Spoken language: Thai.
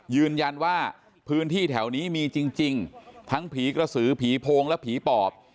ยืนยันว่าพื้นที่แถวนี้มีจริงทั้งผีกระสือผีโพงและผีปอบ